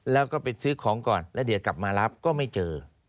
แล้วก็ไปซื้อของก่อนแล้วเดี๋ยวกลับมารับก็ไม่เจอ